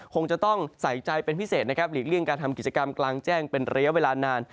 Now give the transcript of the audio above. คงจะต้องใส่ใจเป็นพิเศษนะครับหลีกเลี่ยงการทำกิจกรรมกลางแจ้งเป็นระยะเวลานาน